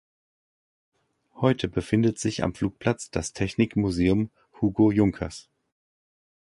Heute befindet sich am Flugplatz das Technikmuseum Hugo Junkers.